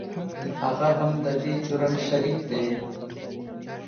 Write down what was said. هغه هم د دې جرم شریک دی .